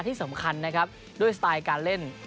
ที่สำคัญนะครับด้วยสไตล์การเล่น